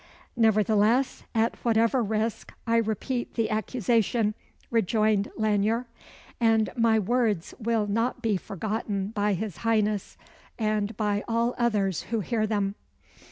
"Nevertheless, at whatever risk, I repeat the accusation," rejoined Lanyere; "and my words will not be forgotten by his Highness, and by all others who hear them.